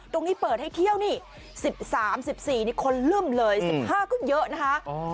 ตรงนี้เปิดให้เที่ยวนี่สิบสามสิบสี่นี่คนลึ่มเลยสิบห้าก็เยอะนะคะ